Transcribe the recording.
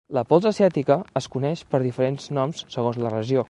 La pols asiàtica es coneix per diferents noms segons la regió.